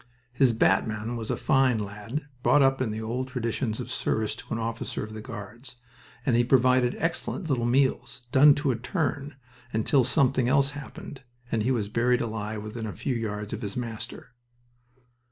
His batman was a fine lad, brought up in the old traditions of service to an officer of the Guards, and he provided excellent little meals, done to a turn, until something else happened, and he was buried alive within a few yards of his master...